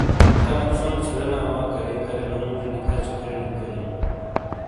کمیک شونگ چھُورینا وا کارے کارے منوجے نی کچھو کھین گہ ایوں۔